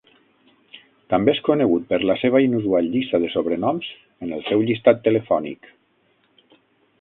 També és conegut per la seva inusual llista de sobrenoms en el seu llistat telefònic.